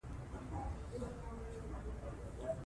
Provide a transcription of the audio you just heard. آیا تا د رحمان بابا شعر اورېدلی و؟